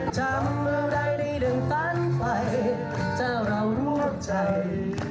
จับมือไฟดังฝันไหวเจ้าเราร่วมใจ